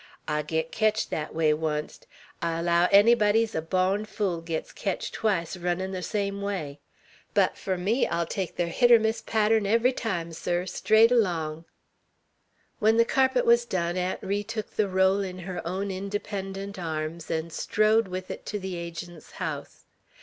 I got ketched thet way oncet! I allow ennybody's a bawn fool gits ketched twice runnin' ther same way. But fur me, I'll take ther 'hit er miss' pattren, every time, sir, straight along." When the carpet was done, Aunt Ri took the roll in her own independent arms, and strode with it to the Agent's house.